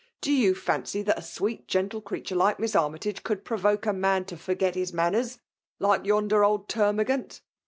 Do yon fancy that a sweet gende oreature like 1I3» Army tage ooald pfovoke a man io forget Us manners, like yonder old t^magant?